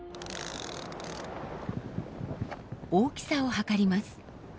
大きさを測ります。